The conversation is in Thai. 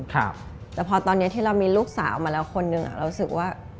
แต่พอตอนนี้ที่เรามีลูกสาวมาแล้วคนนึงเรารู้สึกว่า